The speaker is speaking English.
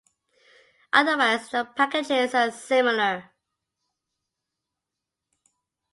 Otherwise the packages are similar.